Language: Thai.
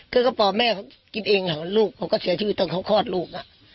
คือกระป๋อแม่เขากินเองลูกเขาก็เสียชีวิตตอนเขาคลอดลูก